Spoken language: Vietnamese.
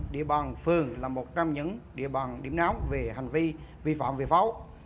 địa bàn phường là một trong những địa bàn điểm náo về hành vi vi phạm về pháo